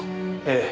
ええ。